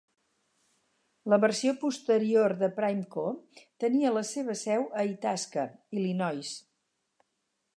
La versió posterior de PrimeCo tenia la seva seu a Itasca, Illinois.